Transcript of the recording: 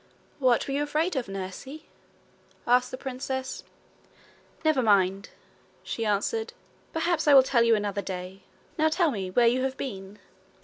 'What were you afraid of, nursie?' asked the princess. 'Never mind,' she answered. 'Perhaps I will tell you another day. Now tell me where you have been.'